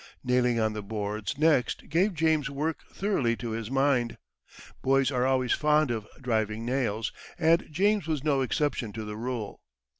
Nailing on the boards next gave James work thoroughly to his mind. Boys are always fond of driving nails, and James was no exception to the rule.